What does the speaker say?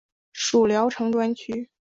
属聊城专区。